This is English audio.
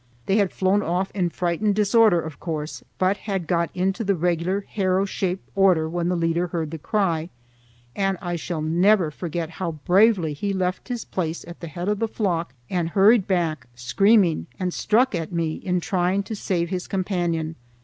They had flown off in frightened disorder, of course, but had got into the regular harrow shape order when the leader heard the cry, and I shall never forget how bravely he left his place at the head of the flock and hurried back screaming and struck at me in trying to save his companion.